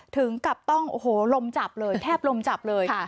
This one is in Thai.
ถึงกับต้องโอ้โหลมจับเลยแทบลมจับเลย